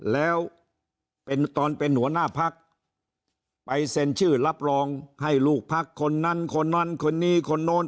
แล้วเป็นตอนเป็นหัวหน้าพักไปเซ็นชื่อรับรองให้ลูกพักคนนั้นคนนั้นคนนี้คนโน้น